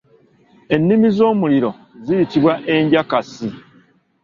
Ennimi z'omuliro ziyitibwa enjakaasi.